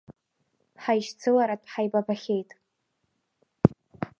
Ҳаишьцылартәҳаибабахьеит.